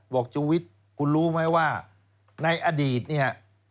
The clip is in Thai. ชูวิทย์คุณรู้ไหมว่าในอดีตเนี่ย